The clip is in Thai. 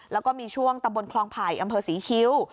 แล้วก็มีช่วงตำบลคลองไผ่อำเภอศรีคิ้ว